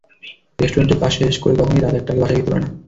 রেস্টুরেন্টের কাজ শেষ করে কখনই রাত একটার আগে বাসায় ফিরতে পারেন না।